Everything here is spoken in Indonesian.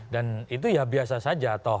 dan itu ya biasa saja toh